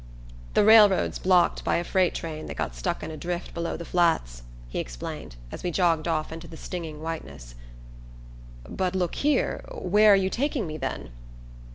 "The railroad's blocked by a freight train that got stuck in a drift below the Flats," he explained, as we jogged off into the stinging whiteness. "But look here where are you taking me, then?"